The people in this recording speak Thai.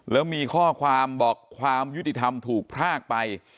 แล้วมีข้อความบอกความยุติธรรมถูกพรากไป